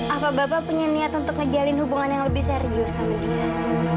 apa bapak punya niat untuk ngejalin hubungan yang lebih serius sama dia